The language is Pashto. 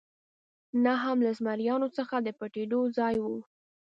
نه هم له زمریانو څخه د پټېدو ځای و.